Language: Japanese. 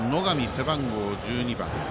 背番号１２番。